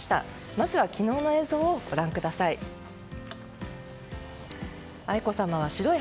まずは昨日の映像をご覧ください。